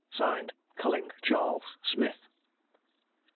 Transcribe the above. (Signed) "CULLING CHARLES SMITH."